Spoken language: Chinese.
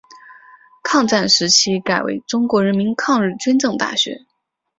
抗战时期改为中国人民抗日军政大学。